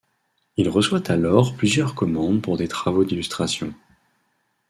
Il reçoit alors plusieurs commandes pour des travaux d’illustration.